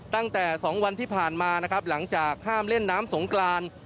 ตั้งแต่๒วันที่ผ่านมานะครับหลังจากห้ามเล่นน้ำสงกราน